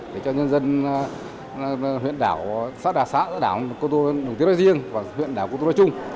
để cho nhân dân huyện đảo xã đà sã đảo cô tô đồng tiến đối riêng và huyện đảo cô tô đối chung